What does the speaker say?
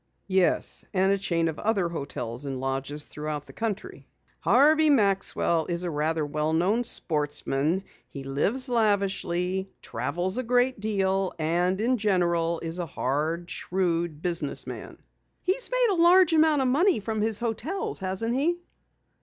"Yes, and a chain of other hotels and lodges throughout the country. Harvey Maxwell is a rather well known sportsman. He lives lavishly, travels a great deal, and in general is a hard, shrewd business man." "He's made a large amount of money from his hotels, hasn't he?"